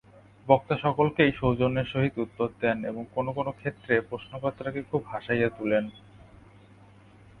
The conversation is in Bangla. বক্তা সকলকেই সৌজন্যের সহিত উত্তর দেন এবং কোন কোন ক্ষেত্রে প্রশ্নকর্তাকে খুব হাসাইয়া তুলেন।